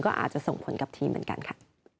ก็อาจจะส่งผลกับทีมเหมือนกันค่ะ